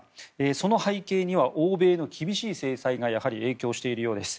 その背景には欧米の厳しい制裁が影響しているようです。